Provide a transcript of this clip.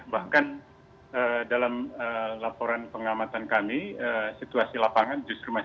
bahkan dalam laporan pengamatan kami situasi lapangan justru masih